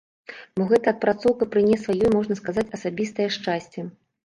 Бо гэта адпрацоўка прынесла ёй, можна сказаць, асабістае шчасце.